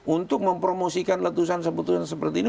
untuk mempromosikan letusan sebetulnya seperti ini